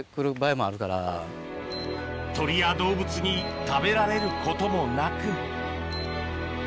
鳥や動物に食べられることもなく